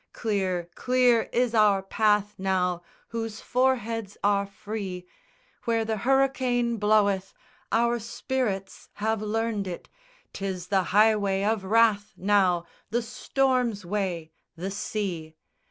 Clear, clear is our path now Whose foreheads are free Where the hurricane bloweth Our spirits have learned it, 'Tis the highway of wrath, now, The storm's way, the sea.